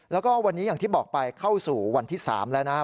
แล้วก็วันนี้อย่างที่บอกไปเข้าสู่วันที่๓แล้วนะครับ